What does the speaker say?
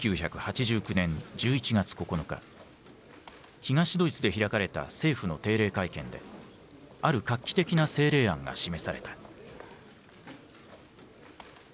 東ドイツで開かれた政府の定例会見である画期的な政令案が示された。